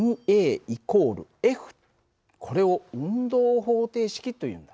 これを運動方程式というんだ。